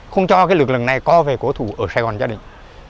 không cho lực lượng này co về cổ thủ ở sài gòn cho địch